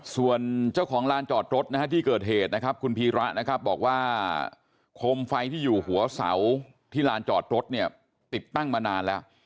ส่วนเจ้าของลานจอดรถนะฮะที่เกิดเหตุนะครับคุณพีระนะครับบอกว่าโคมไฟที่อยู่หัวเสาที่ลานจอดรถเนี่ยติดตั้งมานานแล้ว